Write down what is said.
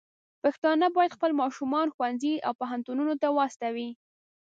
پښتانه بايد خپل ماشومان ښوونځي او پوهنتونونو ته واستوي.